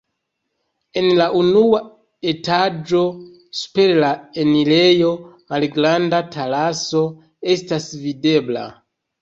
En la unua etaĝo super la enirejo malgranda teraso estas videbla.